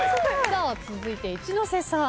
続いて一ノ瀬さん。